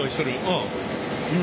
うん。